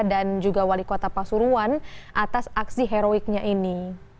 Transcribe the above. dan juga wali kota pasuruan atas aksi heroiknya ini